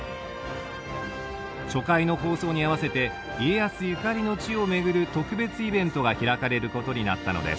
初回の放送に合わせて家康ゆかりの地を巡る特別イベントが開かれることになったのです！